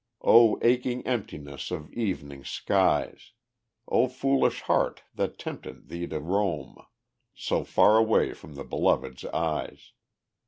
O aching emptiness of evening skies! O foolish heart, what tempted thee to roam So far away from the Beloved's eyes!